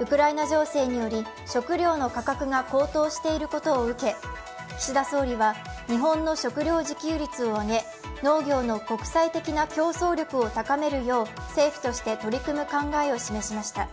ウクライナ情勢により、食料の価格が高騰していることを受け岸田総理は日本の食料自給率を上げ農業の国際的な競争力を高めるよう政府として取り組む考えを示しました。